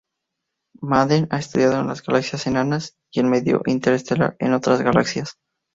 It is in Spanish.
Madden ha estudiado las galaxias enanas y el medio interestelar en otras galaxias.